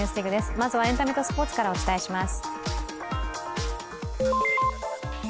まずはエンタメとスポーツからお伝えします。